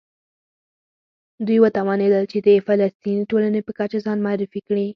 دوی وتوانېدل چې د فلسطیني ټولنې په کچه ځان معرفي کړي.